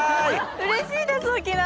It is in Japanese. うれしいです沖縄。